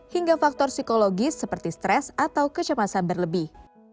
hingga faktor psikologis seperti stres atau kecemasan berlebih